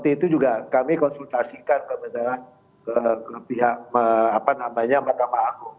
itu juga kami konsultasikan ke pihak mahkamah agung